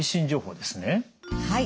はい。